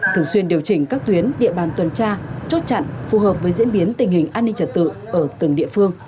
thường xuyên điều chỉnh các tuyến địa bàn tuần tra chốt chặn phù hợp với diễn biến tình hình an ninh trật tự ở từng địa phương